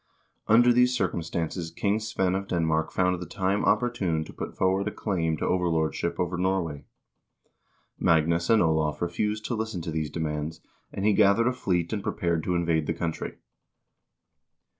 Under these circumstances King Svein of Denmark found the time opportune to put forward a claim to overlordship over Norway. Magnus and Olav refused to listen to these demands, and he gathered a fleet and prepared to invade the country.